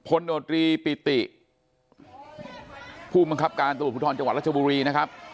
โนตรีปิติผู้บังคับการตำรวจภูทรจังหวัดรัชบุรีนะครับ